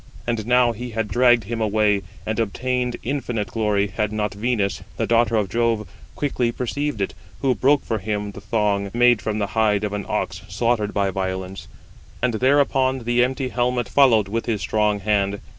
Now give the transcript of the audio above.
And now he had dragged him away, and obtained infinite glory, had not Venus, the daughter of Jove, quickly perceived it, who broke for him 162 the thong, [made] from the hide of an ox slaughtered by violence: and thereupon the empty helmet followed with his strong hand.